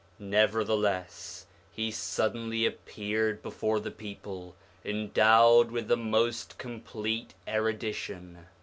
Nevertheless, he suddenly appeared before the people, endowed with the most complete erudition.